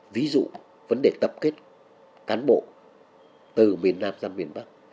ví dụ vấn đề tập kết cán bộ từ miền nam ra miền bắc